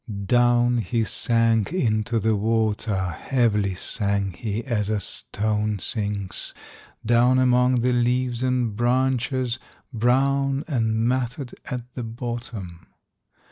Down he sank into the water, Heavily sank he, as a stone sinks, Down among the leaves and branches, Brown and matted at the bottom.